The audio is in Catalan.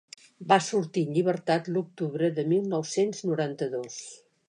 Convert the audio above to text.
Va sortir en llibertat l’octubre de mil nou-cents noranta-dos.